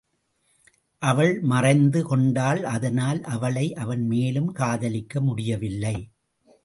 அவள் மறைந்து கொண்டாள் அதனால் அவளை அவன் மேலும் காதலிக்க முடியவில்லை.